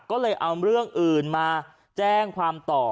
ก็เลยเอาเรื่องอื่นมาแจ้งความต่อ